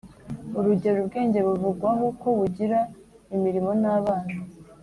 Urugero, ubwenge buvugwaho ko bugira “imirimo” n’“abana,